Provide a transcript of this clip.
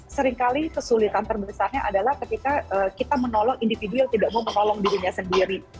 seringkali kesulitan terbesarnya adalah ketika kita menolong individu yang tidak mau menolong dirinya sendiri